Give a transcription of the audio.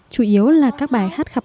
chủ yếu là các bài hát khập mời